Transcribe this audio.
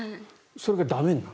それが駄目になる。